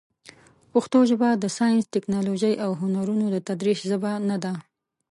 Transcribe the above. پښتو ژبه د ساینس، ټکنالوژۍ، او هنرونو د تدریس ژبه نه ده.